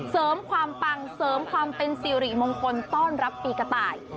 เสริมความปังเสริมความเป็นสิริมงคลต้อนรับปีกระต่าย